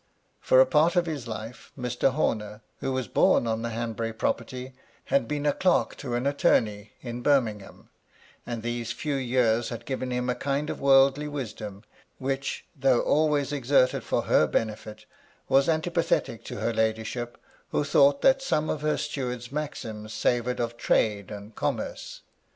For a part of his life Mr. Homer, who was bom on the Hanbury property, had been a clerk to an attomey in Birmingham ; and these few years had given him a kind of worldly wisdom, which, though always exerted for her benefit, was antipathetic to her lady ship, who thought that some of her steward's maxims savoured of trade and commerce.